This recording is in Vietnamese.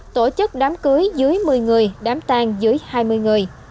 tổ chức đám cưới dưới một mươi người đám tang dưới hai mươi người